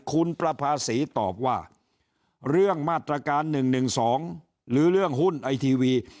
คุณประภาษีตอบว่าเรื่องมาตรการ๑๑๒หรือเรื่องหุ้นไอทีวี